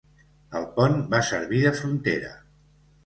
El pont va servir de frontera.